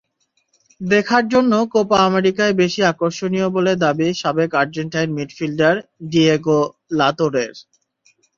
দেখার জন্য কোপা আমেরিকাই বেশি আকর্ষণীয় বলে দাবি সাবেক আর্জেন্টাইন মিডফিল্ডার ডিয়েগো লাতোরের।